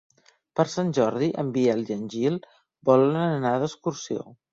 Per Sant Jordi en Biel i en Gil volen anar d'excursió.